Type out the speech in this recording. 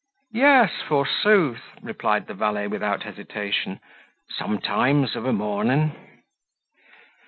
"Yes, forsooth," replied the valet without hesitation, "sometimes of a morning."